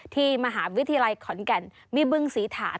ที่มหาวิทยาลัยขอนแก่นมีบึงศรีฐาน